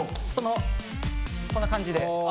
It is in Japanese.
こんな感じで。